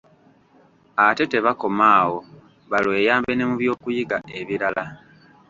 Ate tebakoma awo, balweyambe ne mu by'okuyiga ebirala.